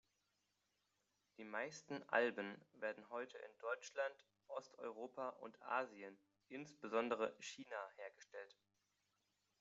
Die meisten Alben werden heute in Deutschland, Osteuropa und Asien, insbesondere China, hergestellt.